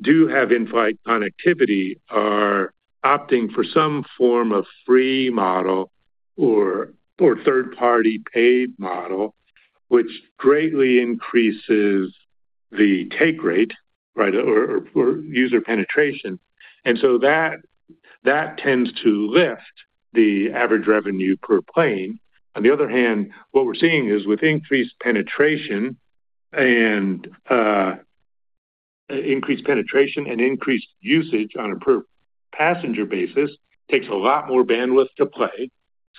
do have in-flight connectivity are opting for some form of free model or third-party paid model, which greatly increases the take rate or user penetration. That tends to lift the average revenue per plane. What we're seeing is with increased penetration and increased usage on a per passenger basis, takes a lot more bandwidth to play.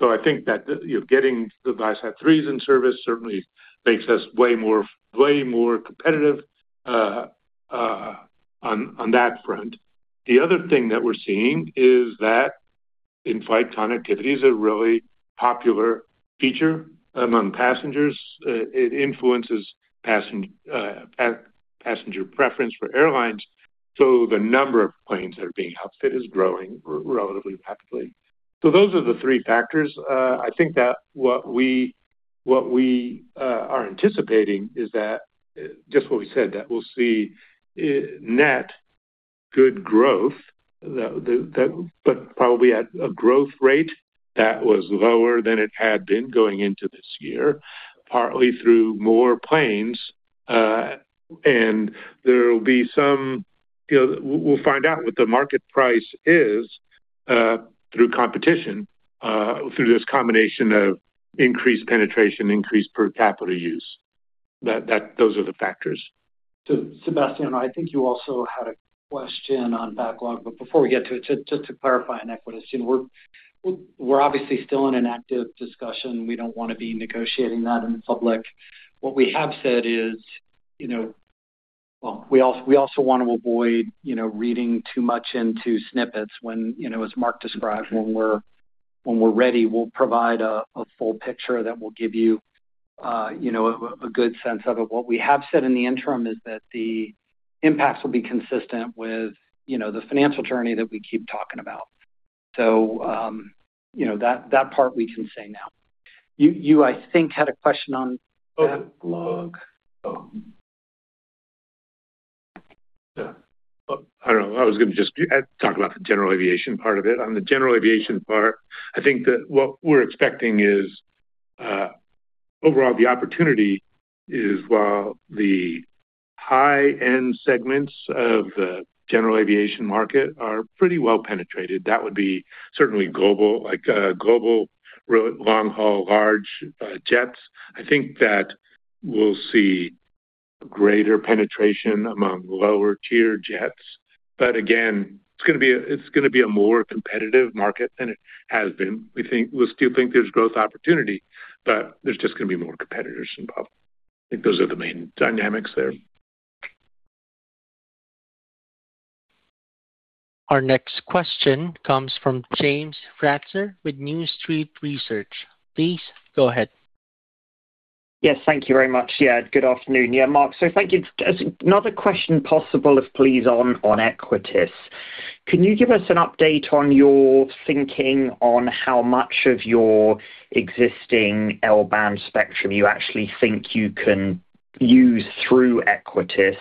I think that getting the Viasat-3s in service certainly makes us way more competitive on that front. The other thing that we're seeing is that in-flight connectivity is a really popular feature among passengers. It influences passenger preference for airlines. The number of planes that are being outfit is growing relatively rapidly. Those are the three factors. I think that what we are anticipating is that, just what we said, that we'll see net good growth, but probably at a growth rate that was lower than it had been going into this year, partly through more planes. We'll find out what the market price is through competition, through this combination of increased penetration, increased per capita use. Those are the factors. Sebastiano, I think you also had a question on backlog, but before we get to it, just to clarify on Equitas, we're obviously still in an active discussion. We don't want to be negotiating that in public. What we have said is, we also want to avoid reading too much into snippets when, as Mark described, when we're ready, we'll provide a full picture that will give you a good sense of it. What we have said in the interim is that the impacts will be consistent with the financial journey that we keep talking about. That part we can say now. You, I think, had a question on backlog. Backlog. I was going to just talk about the general aviation part of it. On the general aviation part, I think that what we're expecting is, overall, the opportunity is while the high-end segments of the general aviation market are pretty well penetrated, that would be certainly global, like global long-haul large jets. I think that we'll see greater penetration among lower-tier jets. Again, it's going to be a more competitive market than it has been. We still think there's growth opportunity, but there's just going to be more competitors involved. I think those are the main dynamics there. Our next question comes from James Ratzer with New Street Research. Please go ahead. Yes, thank you very much. Yeah, good afternoon. Yeah, Mark, thank you. Another question possible, if please, on Equitas. Can you give us an update on your thinking on how much of your existing L-band spectrum you actually think you can use through Equitas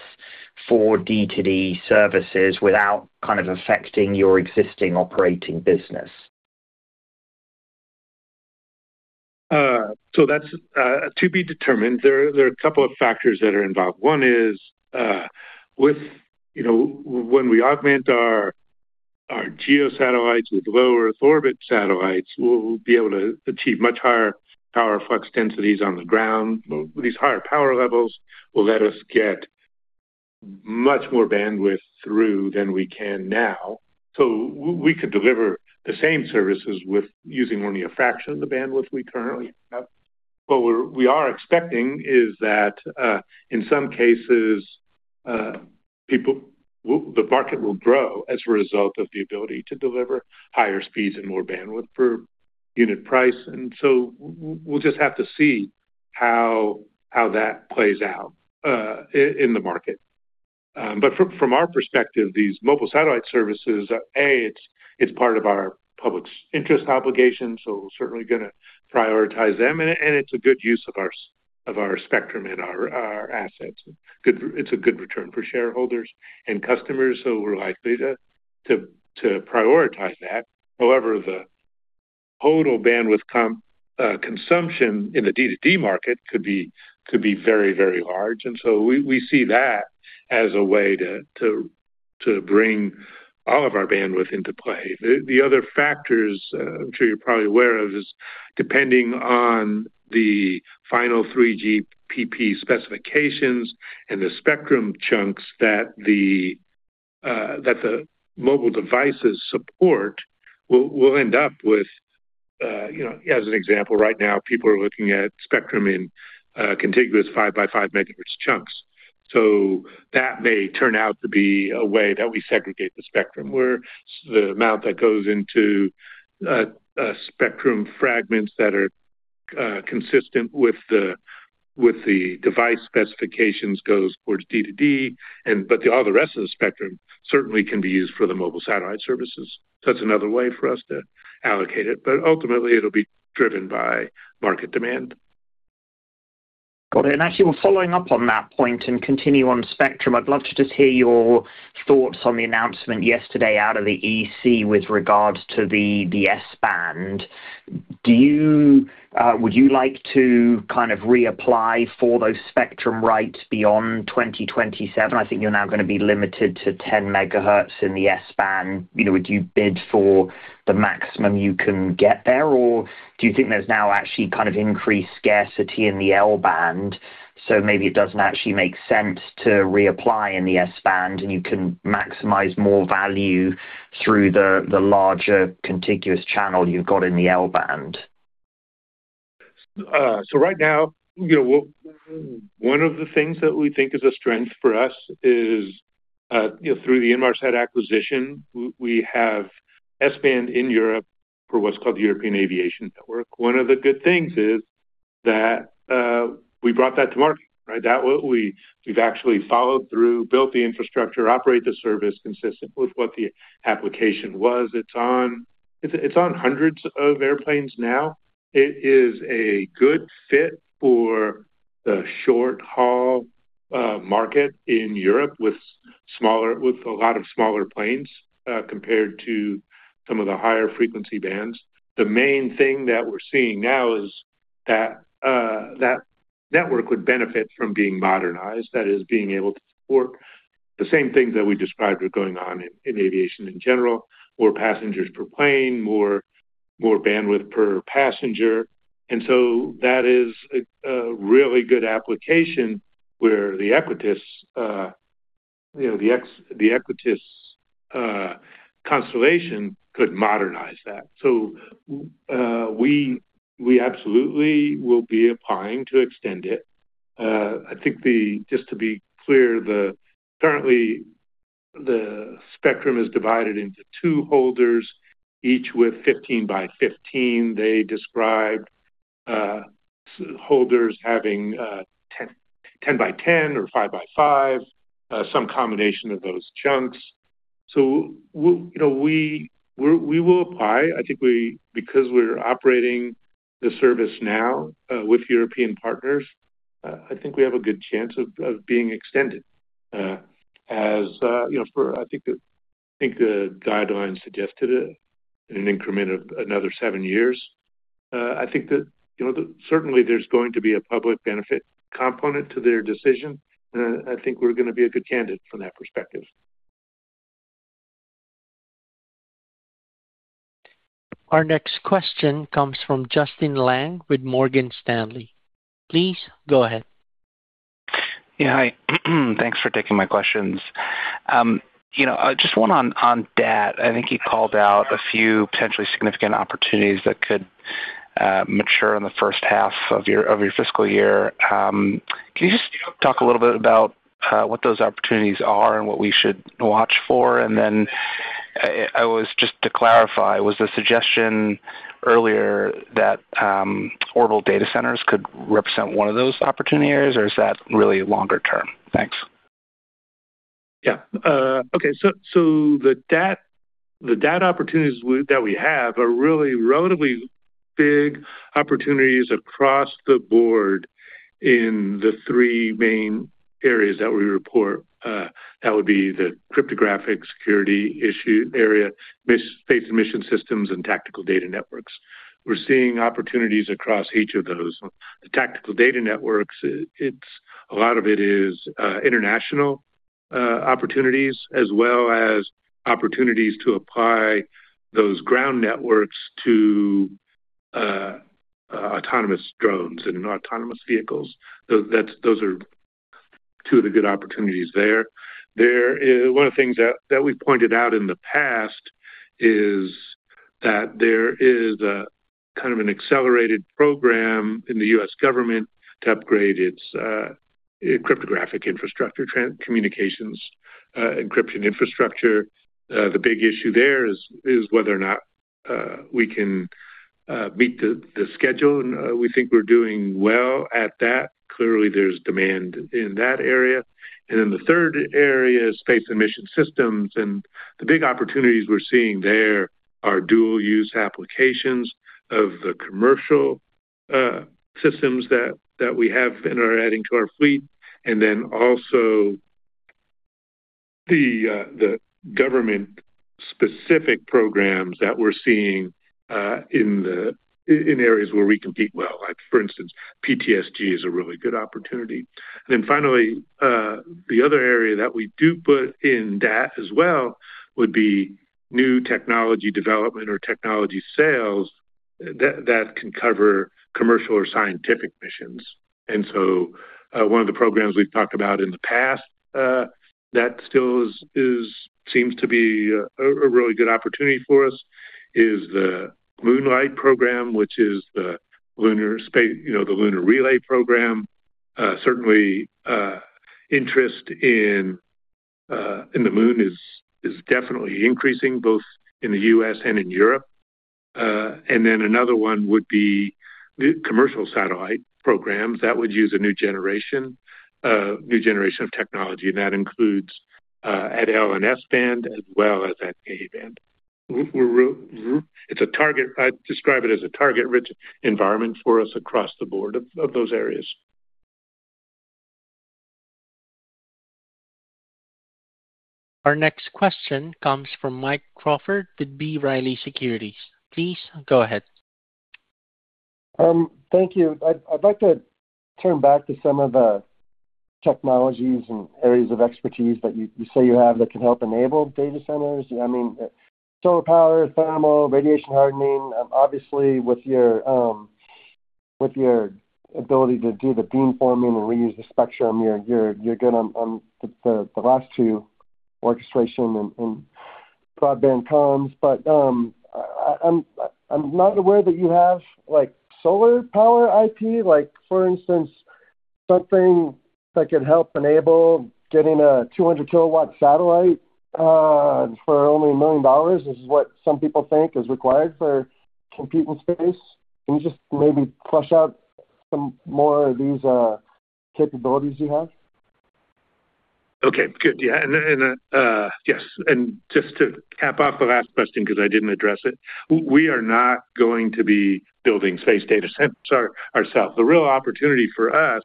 for D2D services without affecting your existing operating business? That's to be determined. There are a couple of factors that are involved. One is, when we augment our GEO satellites with LEO satellites, we'll be able to achieve much higher power flux densities on the ground. These higher power levels will let us get much more bandwidth through than we can now. We could deliver the same services with using only a fraction of the bandwidth we currently have. What we are expecting is that, in some cases, the market will grow as a result of the ability to deliver higher speeds and more bandwidth per unit price, we'll just have to see how that plays out in the market. From our perspective, these Mobile Satellite Services, A, it's part of our public interest obligation, we're certainly going to prioritize them. It's a good use of our spectrum and our assets. It's a good return for shareholders and customers, so we're likely to prioritize that. However, the total bandwidth consumption in the D2D market could be very, very large. So we see that as a way to bring all of our bandwidth into play. The other factors, I'm sure you're probably aware of, is depending on the final 3GPP specifications and the spectrum chunks that the mobile devices support, we'll end up with. As an example, right now, people are looking at spectrum in contiguous five-by-five megahertz chunks. That may turn out to be a way that we segregate the spectrum, where the amount that goes into spectrum fragments that are consistent with the device specifications goes towards D2D, but all the rest of the spectrum certainly can be used for the mobile satellite services. That's another way for us to allocate it. Ultimately, it'll be driven by market demand. Got it. Actually, well, following up on that point and continue on spectrum, I'd love to just hear your thoughts on the announcement yesterday out of the EC with regards to the S-band. Would you like to kind of reapply for those spectrum rights beyond 2027? I think you're now going to be limited to 10 MHz in the S-band. Would you bid for the maximum you can get there, or do you think there's now actually increased scarcity in the L-band, maybe it doesn't actually make sense to reapply in the S-band, and you can maximize more value through the larger contiguous channel you've got in the L-band? Right now, one of the things that we think is a strength for us is-Through the Inmarsat acquisition, we have S-band in Europe for what's called the European Aviation Network. One of the good things is that we brought that to market, right? That we've actually followed through, built the infrastructure, operate the service consistent with what the application was. It's on hundreds of airplanes now. It is a good fit for the short-haul market in Europe with a lot of smaller planes, compared to some of the higher frequency bands. The main thing that we're seeing now is that network would benefit from being modernized. That is, being able to support the same things that we described are going on in aviation in general, more passengers per plane, more bandwidth per passenger. That is a really good application where the Equitas constellation could modernize that. We absolutely will be applying to extend it. I think just to be clear, currently the spectrum is divided into two holders, each with 15 by 15. They described holders having 10 by 10 or five by five, some combination of those chunks. We will apply. I think because we're operating the service now with European partners, I think we have a good chance of being extended. As I think the guidelines suggested it in an increment of another seven years. I think that certainly there's going to be a public benefit component to their decision, and I think we're going to be a good candidate from that perspective. Our next question comes from Justin Lang with Morgan Stanley. Please go ahead. Yeah. Hi. Thanks for taking my questions. Just one on DAT. I think you called out a few potentially significant opportunities that could mature in the first half of your fiscal year. Can you just talk a little bit about what those opportunities are and what we should watch for? Just to clarify, was the suggestion earlier that orbital data centers could represent one of those opportunity areas, or is that really longer term? Thanks. Yeah. Okay. The DAT opportunities that we have are really relatively big opportunities across the board in the three main areas that we report. That would be the cryptographic security issue area, space and mission systems, and tactical data networks. We're seeing opportunities across each of those. The tactical data networks, a lot of it is international opportunities as well as opportunities to apply those ground networks to autonomous drones and autonomous vehicles. Those are two of the good opportunities there. One of the things that we have pointed out in the past is that there is a kind of an accelerated program in the U.S. government to upgrade its cryptographic infrastructure, communications encryption infrastructure. The big issue there is whether or not we can meet the schedule, and we think we're doing well at that. Clearly, there's demand in that area. The third area is space and mission systems, and the big opportunities we're seeing there are dual-use applications of the commercial systems that we have and are adding to our fleet. Also the government-specific programs that we're seeing in areas where we compete well, like for instance, PTSG is a really good opportunity. Finally, the other area that we do put in DAT as well would be new technology development or technology sales that can cover commercial or scientific missions. One of the programs we've talked about in the past that still seems to be a really good opportunity for us is the Moonlight program, which is the lunar relay program. Certainly, interest in the moon is definitely increasing, both in the U.S. and in Europe. Another one would be the commercial satellite programs. That would use a new generation of technology, and that includes L- and S-band as well as at Ka-band. I'd describe it as a target-rich environment for us across the board of those areas. Our next question comes from Mike Crawford with B. Riley Securities. Please go ahead. Thank you. I'd like to turn back to some of the technologies and areas of expertise that you say you have that can help enable data centers. Solar power, thermal, radiation hardening. Obviously, with your ability to do the beamforming and reuse the spectrum, you're good on the last two, orchestration and broadband comms, but I'm not aware that you have solar power IP. For instance, something that could help enable getting a 200 kW satellite for only $1 million is what some people think is required for compete in space. Can you just maybe flush out some more of these capabilities you have? Okay, good. Yeah. Yes, just to cap off the last question, because I didn't address it, we are not going to be building space data centers ourselves. The real opportunity for us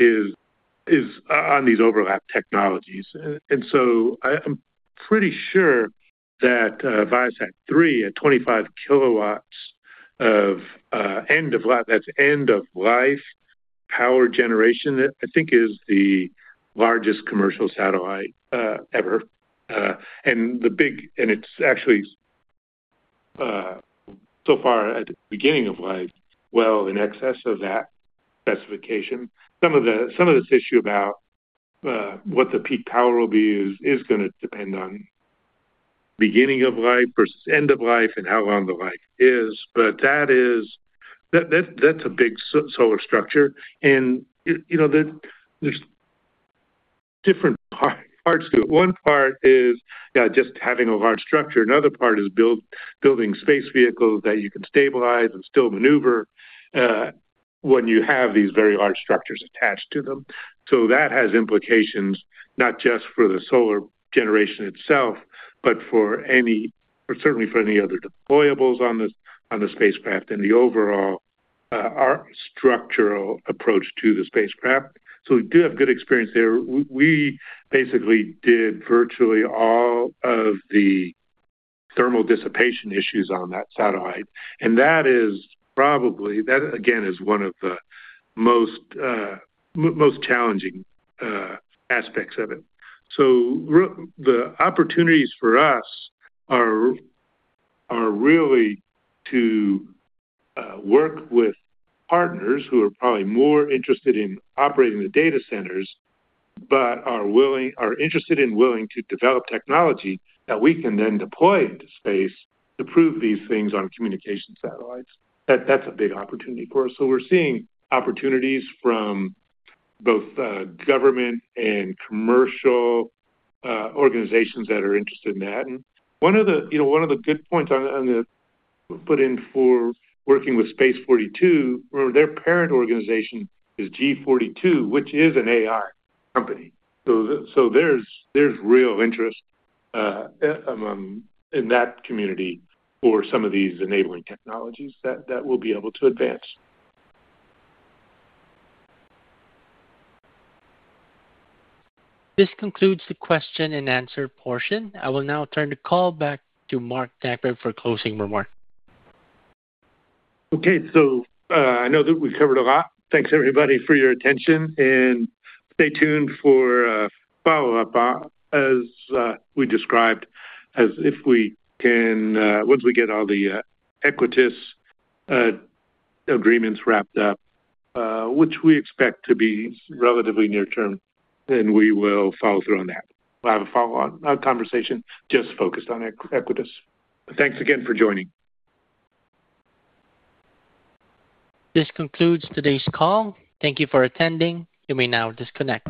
is on these overlap technologies. I'm pretty sure that ViaSat-3 at 25 kW of, that's end of life power generation, I think is the largest commercial satellite ever. It's actually, so far at the beginning of life, well in excess of that specification. Some of this issue about what the peak power will be is going to depend on beginning of life versus end of life and how long the life is. That's a big solar structure and there's different parts to it. One part is just having a large structure. Another part is building space vehicles that you can stabilize and still maneuver when you have these very large structures attached to them. That has implications, not just for the solar generation itself, but certainly for any other deployables on the spacecraft and the overall structural approach to the spacecraft. We do have good experience there. We basically did virtually all of the thermal dissipation issues on that satellite, and that again, is one of the most challenging aspects of it. The opportunities for us are really to work with partners who are probably more interested in operating the data centers but are interested and willing to develop technology that we can then deploy into space to prove these things on communication satellites. That's a big opportunity for us. We're seeing opportunities from both government and commercial organizations that are interested in that. One of the good points I'm going to put in for working with Space42, their parent organization is G42, which is an AI company. There's real interest in that community for some of these enabling technologies that we'll be able to advance. This concludes the question and answer portion. I will now turn the call back to Mark Dankberg for closing remarks. Okay, I know that we've covered a lot. Thanks everybody for your attention and stay tuned for follow-up as we described, as if we can, once we get all the Equitas agreements wrapped up, which we expect to be relatively near term, we will follow through on that. We'll have a follow-on conversation just focused on Equitas. Thanks again for joining. This concludes today's call. Thank you for attending. You may now disconnect.